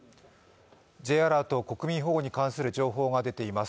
Ｊアラート、国民保護に関する情報が出ています。